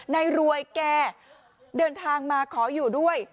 ในรวยแกเดินทางมาขออยู่ด้วย